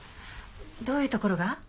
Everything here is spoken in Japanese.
どういうところが？